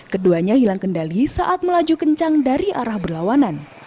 keduanya hilang kendali saat melaju kencang dari arah berlawanan